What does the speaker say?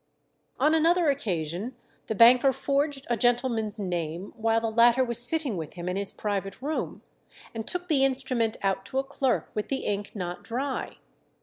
On another occasion the banker forged a gentleman's name while the latter was sitting with him in his private room, and took the instrument out to a clerk with the ink not dry.